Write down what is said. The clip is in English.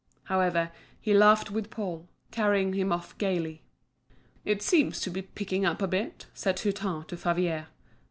However, he laughed with Paul, carrying him off gaily. "It seems to be picking up a bit," said Hutin to Favier.